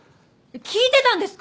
聞いてたんですか？